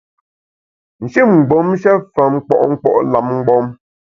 Nshin mgbom-sha fa nkpo’ nkpo’ lam mgbom.